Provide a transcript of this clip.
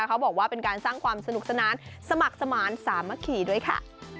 เขาบอกว่าเป็นการสร้างความสนุกสนานสมัครสมานสามัคคีด้วยค่ะ